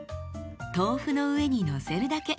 豆腐の上にのせるだけ。